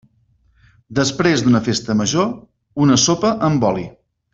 Després d'una festa major, una sopa amb oli.